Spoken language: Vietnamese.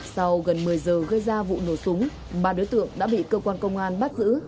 sau gần một mươi giờ gây ra vụ nổ súng ba đối tượng đã bị cơ quan công an bắt giữ